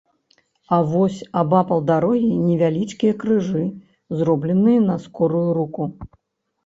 А вось абапал дарогі невялічкія крыжы, зробленыя на скорую руку.